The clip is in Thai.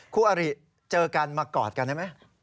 คู่อริเจอกันมากอดกันได้ไหม